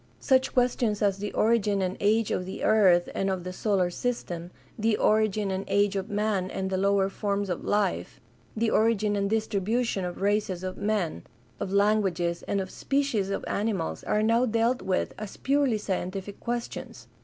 Such questions as the origin and age of the earth and of the solar system; the origin and age of man and the lower forms of life; the origin and distribution of races of men, of languages, and of species of animals are now dealt with as purely sci entific questions.